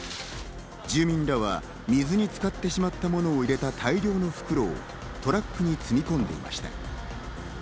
住民らは水に浸かってしまったものを入れた大量の袋をトラックに積み込んでいました。